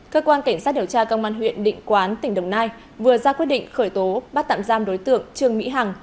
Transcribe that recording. cơ quan cảnh sát điều tra công an huyện định quán tỉnh đồng nai vừa ra quyết định khởi tố bắt tạm giam đối tượng trương mỹ hằng